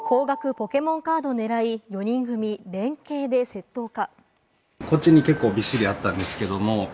ポケモンカード狙い、４人組連携で窃盗か。